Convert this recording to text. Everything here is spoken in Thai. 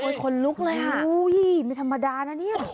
คุยคนลุกแล้วฮะโอ้มยินไม่ธรรมดานะนี่